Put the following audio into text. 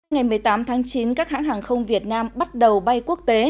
ngày một mươi tám tháng chín các hãng hàng không việt nam bắt đầu bay quốc tế